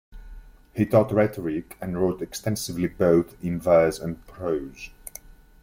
He taught rhetoric, and wrote extensively both in verse and prose.